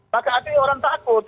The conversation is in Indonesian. maka artinya orang takut